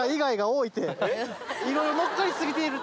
いろいろ乗っかり過ぎてるって。